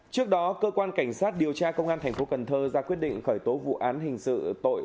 trước đó cơ quan cảnh sát điều tra công an thành phố cần thơ ra quyết định khởi tố vụ án hình sự tội